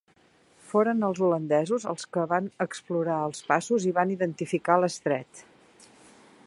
Foren els holandesos els que van explorar els passos i van identificar l'estret.